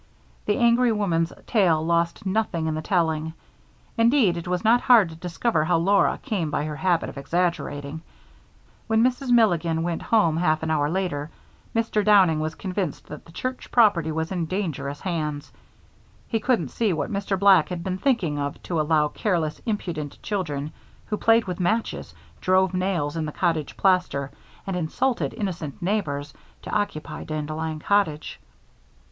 The angry woman's tale lost nothing in the telling; indeed, it was not hard to discover how Laura came by her habit of exaggerating. When Mrs. Milligan went home half an hour later, Mr. Downing was convinced that the church property was in dangerous hands. He couldn't see what Mr. Black had been thinking of to allow careless, impudent children who played with matches, drove nails in the cottage plaster, and insulted innocent neighbors, to occupy Dandelion Cottage.